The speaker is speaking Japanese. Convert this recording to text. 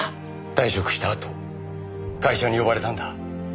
退職したあと会社に呼ばれたんだ。